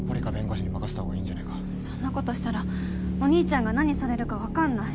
そんなことしたらお兄ちゃんが何されるか分かんない。